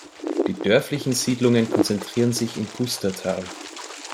Die dörflichen Siedlungen konzentrieren sich im Pustertal.